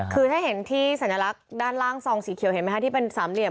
คือถ้าเห็นที่สัญลักษณ์ด้านล่างซองสีเขียวเห็นไหมคะที่เป็นสามเหลี่ย